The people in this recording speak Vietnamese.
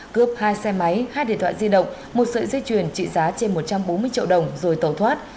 cướp hai xe máy hai điện thoại di động một sợi dây chuyền trị giá trên một trăm bốn mươi triệu đồng rồi tẩu thoát